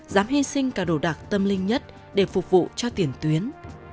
dám hy sinh cả đồ đạc tâm linh nhất để phục vụ cho tiền tuyến